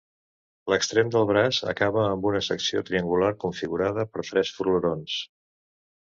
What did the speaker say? L'extrem del braç acaba amb una secció triangular configurada per tres florons.